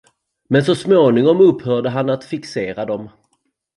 Men så småningom upphörde han att fixera dem.